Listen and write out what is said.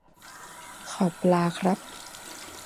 ขอปลาครับ